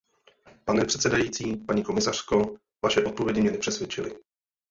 Pane předsedající, paní komisařko, vaše odpovědi mě nepřesvědčily.